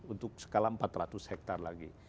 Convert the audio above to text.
untuk sekalian empat ratus hektar lagi